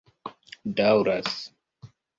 daŭras